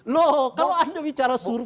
loh kalau anda bicara suruh